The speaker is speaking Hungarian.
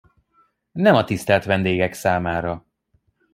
Nem a tisztelt vendégek számára.